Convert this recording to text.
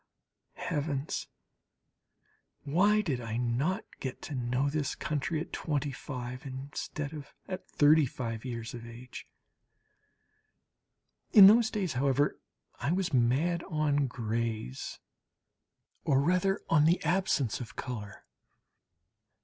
Heavens! why did I not get to know this country at 25 instead of at 35 years of age! In those days, however, I was mad on grays, or rather on the absence of colour.